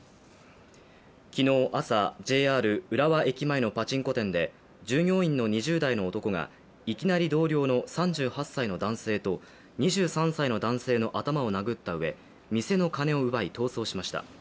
昨日朝、ＪＲ浦和駅前のパチンコ店で従業員の２０代の男がいきなり、同僚の３８歳の男性と２３歳の男性の頭を殴ったうえ、店の金を奪い逃走しました。